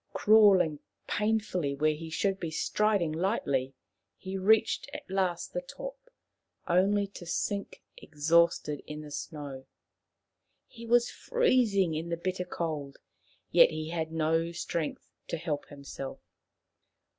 Crawling painfully where he should be striding lightly, he reached at last the top, only to sink exhausted in the snow. He was freezing in the bitter cold, yet he had no strength to help himself.